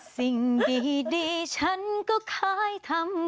สิ่งดีฉันก็ค่ายทำบ่อย